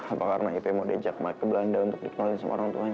apa karena ipih mau dejak naik ke belanda untuk dikenalin sama orang tuanya